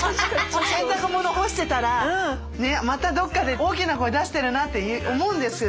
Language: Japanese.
洗濯物干してたらまたどっかで大きな声出してるなって思うんですよ